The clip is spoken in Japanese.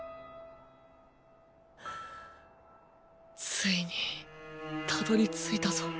ついに辿り着いたぞ。